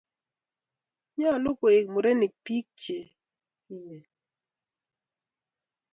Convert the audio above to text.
nyoluu koek murenik biik chekimen